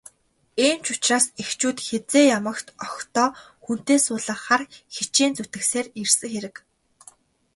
Ийм ч учраас эхчүүд хэзээ ямагт охидоо хүнтэй суулгахаар хичээн зүтгэсээр ирсэн хэрэг.